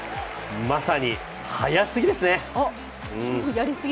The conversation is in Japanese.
まさに速スギですね。